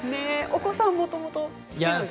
お子さん、もともとは？